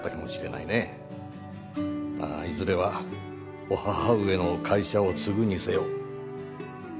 まあいずれはお母上の会社を継ぐにせよ。